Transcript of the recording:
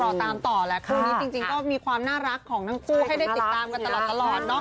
ตามต่อแหละคู่นี้จริงก็มีความน่ารักของทั้งคู่ให้ได้ติดตามกันตลอดเนาะ